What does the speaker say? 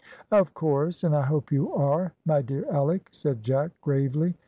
"Of course, and I hope you are, my dear Alick," said Jack gravely.